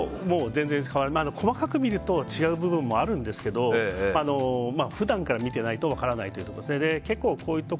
細かく見ると違う部分もあるんですが普段から見てないと分からないということですね。